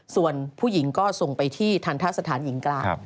ส่วนผู้หญิงก็ส่งไปที่ทันทะสถานหญิงกลาง